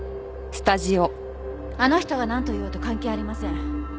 あの人がなんと言おうと関係ありません。